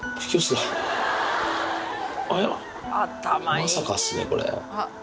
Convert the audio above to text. あらまさかっすねこれ。